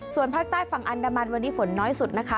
ส่วนภาคใต้ฝั่งอันดามันวันนี้ฝนน้อยสุดนะคะ